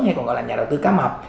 hay còn gọi là nhà đầu tư cá mập